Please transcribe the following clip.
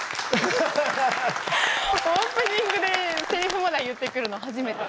オープニングでせりふまで言ってくるの初めて。